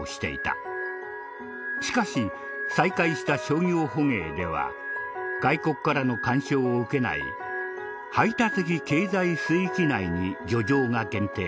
しかし再開した商業捕鯨では外国からの干渉を受けない排他的経済水域内に漁場が限定された。